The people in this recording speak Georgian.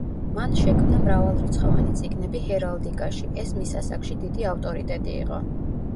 მან შექმნა მრავალრიცხოვანი წიგნები ჰერალდიკაში, ეს მის ასაკში დიდი ავტორიტეტი იყო.